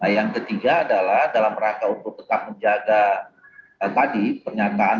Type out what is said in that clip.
yang ketiga adalah dalam rangka untuk tetap menjaga tadi pernyataan